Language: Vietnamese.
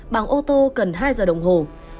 gần hai giờ đồng hồ